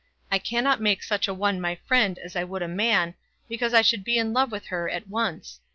I cannot make such a one my friend as I would a man, because I should be in love with her at once.